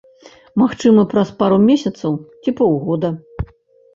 Магчыма, праз пару месяцаў, ці паўгода.